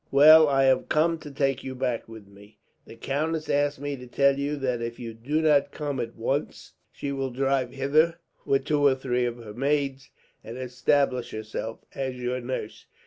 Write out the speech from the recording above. "Well, I have come to take you back with me. The countess asks me to tell you that if you do not come at once, she will drive hither with two or three of her maids, and establish herself as your nurse.